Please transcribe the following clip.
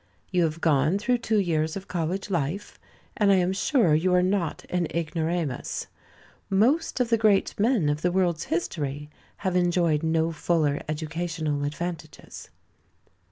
You have gone through two years of college life, and I am sure you are not an ignoramus. Most of the great men of the world's history have enjoyed no fuller educational advantages.